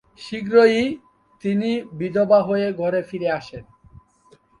শীঘ্রই তিনি বিধবা হয়ে ঘরে ফিরে আসেন।